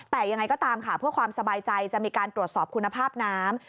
แต่ยังไงก็ตามสบายใจจะมีการตรวจสอบคุณภาพน้ำ